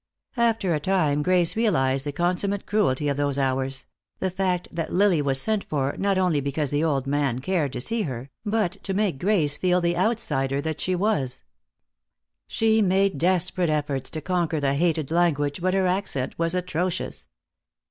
After a time Grace realized the consummate cruelty of those hours, the fact that Lily was sent for, not only because the old man cared to see her, but to make Grace feel the outsider that she was. She made desperate efforts to conquer the hated language, but her accent was atrocious.